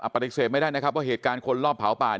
ปฏิเสธไม่ได้นะครับว่าเหตุการณ์คนรอบเผาป่า